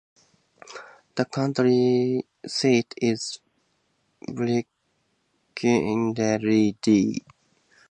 The county seat is Breckenridge.